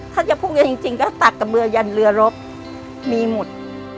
ถ้าจะพุ่งเยอะจริงก็ตักกับเรือยันเรือรบมีหมด